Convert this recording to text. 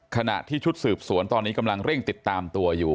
ขณะที่ชุดสืบสวนตอนนี้กำลังเร่งติดตามตัวอยู่